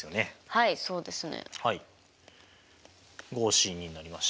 はいそうですね。